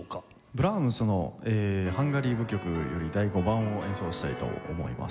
ブラームスの『ハンガリー舞曲第５番』を演奏したいと思います。